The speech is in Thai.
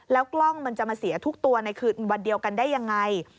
กล้องมันจะมาเสียทุกตัวในคืนวันเดียวกันได้ยังไง